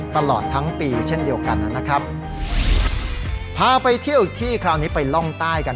ตลอดทั้งปีเช่นเดียวกันนะครับพาไปเที่ยวอีกที่คราวนี้ไปล่องใต้กัน